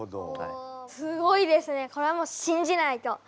すごいですねこれはもう信じないと！